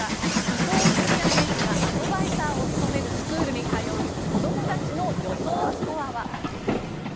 伊東純也選手がアドバイザーを務めるスクールに通う子どもたちの予想スコアは。